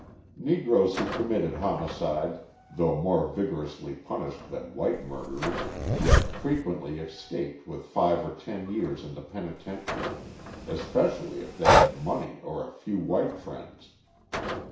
Negroes who committed homicide, though more vigorously punished than white murderers, yet frequently escaped with five or ten years in the penitentiary especially if they had money or a few white friends.